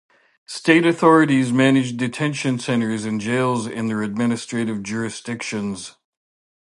State authorities manage detention centers and jails in their administrative jurisdictions.